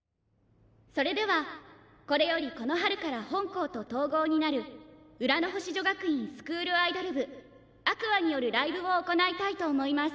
「それではこれよりこの春から本校と統合になる浦の星女学院スクールアイドル部Ａｑｏｕｒｓによるライブを行いたいと思います。